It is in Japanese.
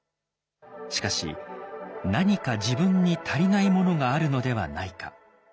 しかし何か自分に足りないものがあるのではないか。